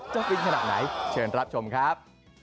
ฟินขนาดไหนเชิญรับชมครับ